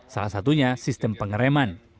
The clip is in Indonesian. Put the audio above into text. salah satunya sistem pengereman